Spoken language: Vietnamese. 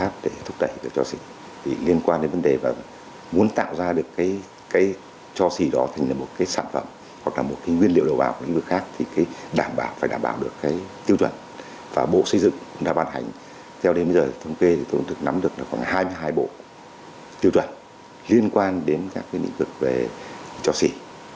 bộ xây dựng đã ban hành theo đến bây giờ thống kê tôi cũng được nắm được khoảng hai mươi hai bộ tiêu chuẩn liên quan đến các nguyên liệu về cho xỉ